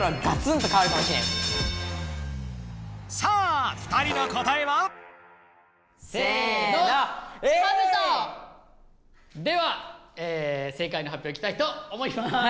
さあ２人の答えは？では正解のはっぴょういきたいと思います。